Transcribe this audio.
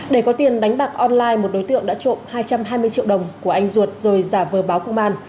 để có tiền đánh bạc online một đối tượng đã trộm hai trăm hai mươi triệu đồng của anh ruột rồi giả vờ báo công an